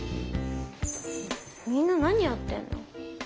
みんな何やってんの？